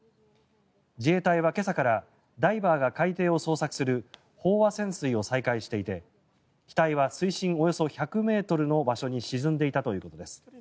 自衛隊は今朝からダイバーが海底を捜索する飽和潜水を再開していて、機体は水深およそ１００ｍの場所に沈んでいたということです。